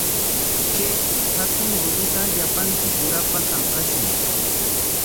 Kay hatun rumita llapanchik urapa tanqashun.